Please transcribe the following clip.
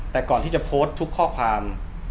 แต่ก่อนที่จะโพสต์ทุกข้อความ